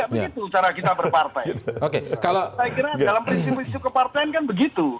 saya kira dalam prinsip prinsip kepartaian kan begitu